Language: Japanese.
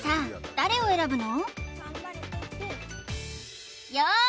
誰を選ぶの？